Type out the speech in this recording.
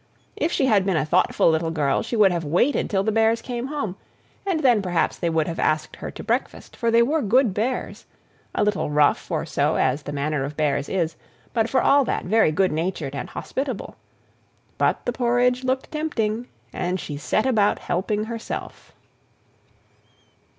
If she had been a thoughtful little Girl, she would have waited till the Bears came home, and then, perhaps, they would have asked her to breakfast; for they were good Bears a little rough or so, as the manner of Bears is, but for all that very good natured and hospitable. But the porridge looked tempting, and she set about helping herself.